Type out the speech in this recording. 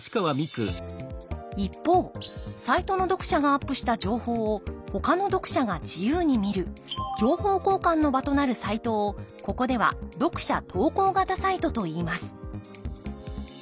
一方サイトの読者がアップした情報をほかの読者が自由に見る情報交換の場となるサイトをここでは読者投稿型サイトといいます